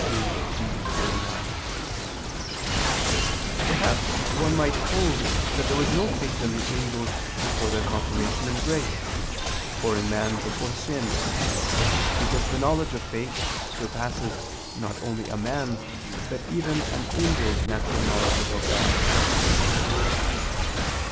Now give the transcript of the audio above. ii, D, 29] hold, perhaps one might hold that there was no faith in the angels before their confirmation in grace, or in man before sin, because the knowledge of faith surpasses not only a man's but even an angel's natural knowledge about God.